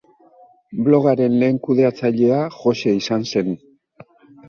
Blogaren lehen kudeatzailea Jose izan zen.